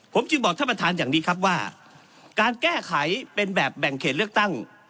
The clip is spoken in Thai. ผมจึงบอกท่านประธานอย่างนี้ครับว่าการแก้ไขเป็นแบบแบ่งเขตเลือกตั้ง